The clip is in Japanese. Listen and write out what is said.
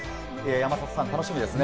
山里さん、楽しみですね。